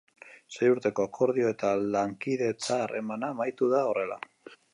Sei urteko akordio eta lankidetza harremana amaitu da horrela.